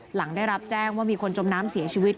หลังได้รับแจ้งว่ามีคนจมน้ำเสียชีวิต